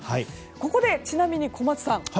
ここで、ちなみに小松さん